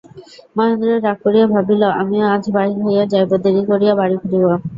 মহেন্দ্র রাগ করিয়া ভাবিল, আমিও আজ বাহির হইয়া যাইব–দেরি করিয়া বাড়ি ফিরিব।